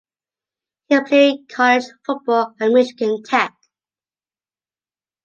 He played college football at Michigan Tech.